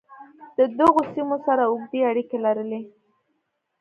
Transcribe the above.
له دغو سیمو سره اوږدې اړیکې لرلې.